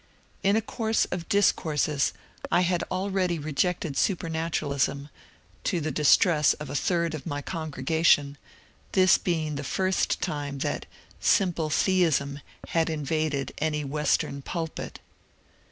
In a course of discourses I had already rejected supernaturalism, to the distress of a third of my con gregation, this being the first time that simple theism had invaded any western pulpit.